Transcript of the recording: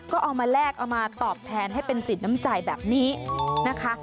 ก็เอามาแลกเอามาตอบแทนให้เป็นสินน้ำใจแบบนี้นะคะ